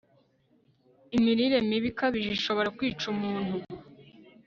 imirire mibi ikabije ishobora kwica umuntu